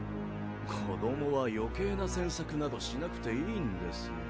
子どもは余計な詮索などしなくていいんですよ。